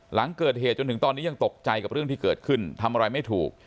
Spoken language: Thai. หลังเกิดเหตุจนถึงตอนนี้ยังตกใจกับเรื่องที่เกิดขึ้นทำอะไรไม่ถูก